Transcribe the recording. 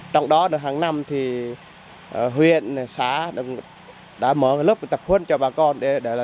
trong đó hàng năm thì huyện xã đã mở lớp tập huấn cho bà con